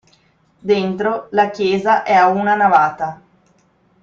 Dentro la chiesa è ad una navata.